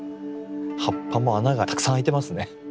葉っぱも穴がたくさん開いてますね。